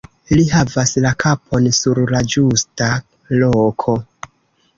Li havas la kapon sur la ĝusta loko.